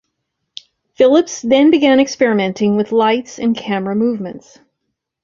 Phillips then began experimenting with lights and camera movements.